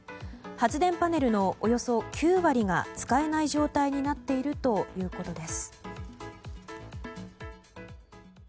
発電パネルのおよそ９割が使えない状態になっているということです。